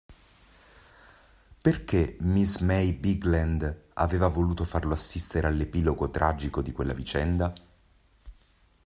Perché miss May Bigland aveva voluto farlo assistere all'epilogo tragico di quella vicenda?